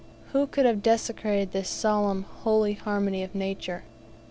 Who could have desecrated this solemn, holy harmony of nature?